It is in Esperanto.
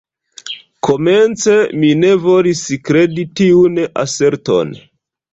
Komence mi ne volis kredi tiun aserton.